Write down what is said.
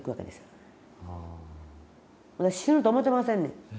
私死ぬと思うてませんねん。